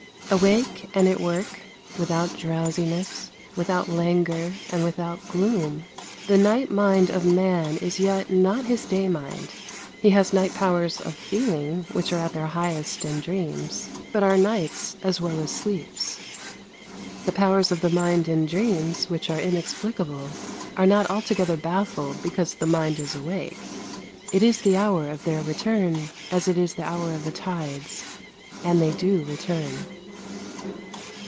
Awake and at work, without drowsiness, without languor, and without gloom, the night mind of man is yet not his day mind; he has night powers of feeling which are at their highest in dreams, but are night's as well as sleep's. The powers of the mind in dreams, which are inexplicable, are not altogether baffled because the mind is awake; it is the hour of their return as it is the hour of a tide's, and they do return.